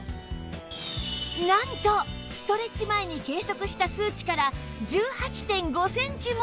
なんとストレッチ前に計測した数値から １８．５ センチもアップ！